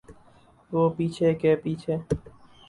وہ پیچھے کے پیچھے۔